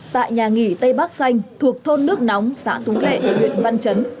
tại nhà nghỉ tây bắc xanh thuộc thôn nước nóng xã túng lệ huyện văn chấn